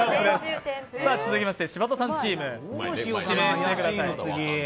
続きまして柴田さんチーム指名してください。